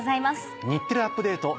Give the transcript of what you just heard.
『日テレアップＤａｔｅ！』